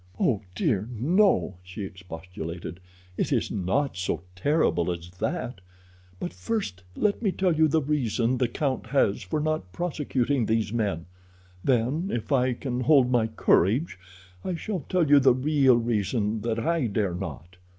"Oh, dear, no," she expostulated; "it is not so terrible as that. But first let me tell you the reason the count has for not prosecuting these men; then, if I can hold my courage, I shall tell you the real reason that I dare not.